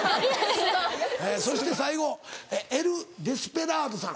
そして最後エル・デスペラードさん。